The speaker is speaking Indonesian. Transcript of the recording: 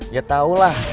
ya tau lah